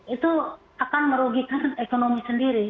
itu akan merugikan ekonomi sendiri